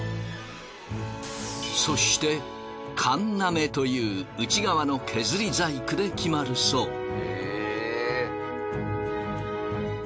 そしてかんな目という内側の削り細工で決まるそう。